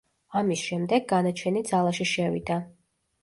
ამის შემდეგ, განაჩენი ძალაში შევიდა.